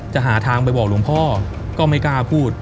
หาทางไปบอกหลวงพ่อก็ไม่กล้าพูด